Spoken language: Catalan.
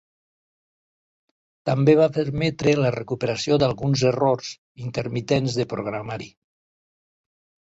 També va permetre la recuperació d'alguns errors intermitents de programari.